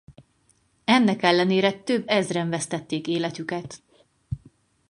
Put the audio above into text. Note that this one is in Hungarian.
Ennek ellenére több ezren vesztették életüket.